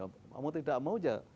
kamu tidak mau ya